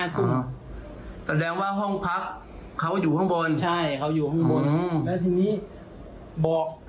แสดงว่าห้องพักเขาอยู่ข้างบนใช่เขาอยู่ข้างบนแล้วทีนี้บอก